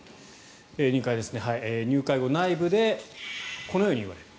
入会後、内部でこのように言われる。